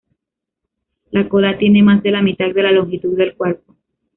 La cola tiene más de la mitad de la longitud del cuerpo.